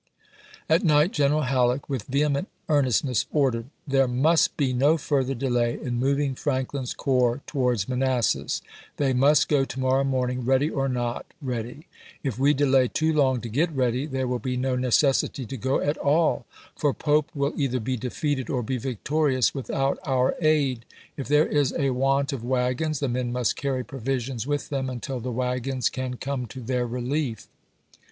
.." At night General Halleck, with vehement ear nestness, ordered :" There must be no further delay in moving Franklin's corps towards Manassas. They must go to morrow morning, ready or not ready. If we delay too long to get ready, there will be no necessity to go at all; for Pope wiU either be defeated or be victorious without oui* aid. If there is a want of wagons, the men must carry provisions with them until the wagons can come Ibid., p. 710. to theu' relief."